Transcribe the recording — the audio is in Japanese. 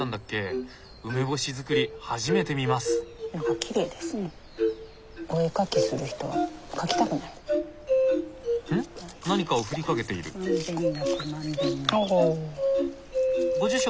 はい。